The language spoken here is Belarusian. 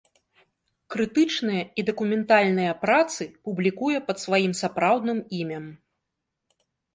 Крытычныя і дакументальныя працы публікуе пад сваім сапраўдным імем.